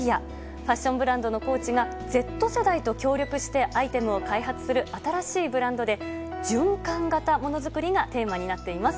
ファッションブランドのコーチがＺ世代と協力してアイテムを開発する新しいブランドで循環型ものづくりがテーマになっています。